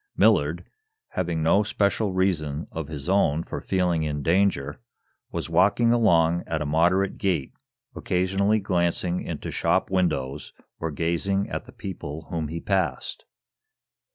Millard, having no especial reason of his own for feeling in danger, was walking along at a moderate gait, occasionally glancing into shop windows or gazing at the people whom he passed.